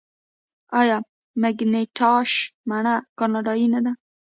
آیا مکینټاش مڼه کاناډايي نه ده؟